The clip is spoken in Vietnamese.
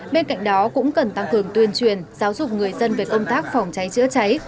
bên cạnh đó cũng cần tăng cường tuyên truyền giáo dục người dân về công tác phòng cháy chữa cháy